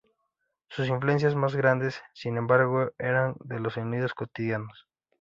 Sus influencias más grandes, sin embargo, eran de los sonidos cotidianos.